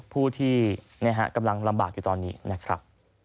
ผู้ที่กำลังลำบากอยู่ตอนนี้นะครับ